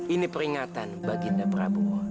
ini peringatan baginda prabu